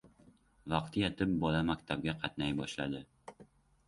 Vaqti yetib, bola maktabga qatnay boshladi.